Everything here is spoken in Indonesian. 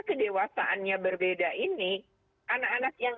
kedewasaannya berbeda ini anak anak yang